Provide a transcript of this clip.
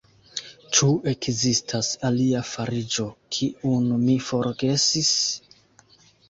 Ĉu ekzistas alia fariĝo, kiun mi forgesis?